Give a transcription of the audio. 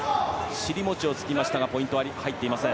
尻餅をつきましたがポイントは入っていません。